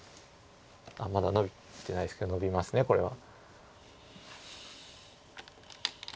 あっまだノビてないですけどノビますこれは。